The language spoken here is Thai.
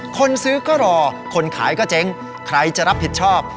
คนซื้อก็รอคนขายก็เจ๊งใครจะรับผิดชอบ